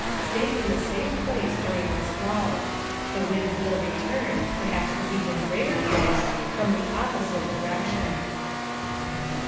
Stay in a safe place during this lull. The wind will return perhaps with even greater force from the opposite direction.